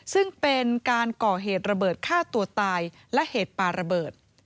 ซึ่งเป็นการก่อเหตุระเบิดฆ่าตัวตายและเหตุปลาระเบิด